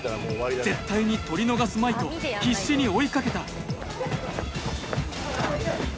絶対に撮り逃すまいと必死に追いかけた。